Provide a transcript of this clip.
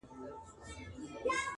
o توري دي لالا کوي، مزې دي عبدالله کوي٫